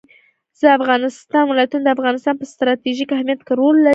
د افغانستان ولايتونه د افغانستان په ستراتیژیک اهمیت کې رول لري.